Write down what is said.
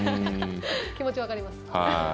気持ち、分かります。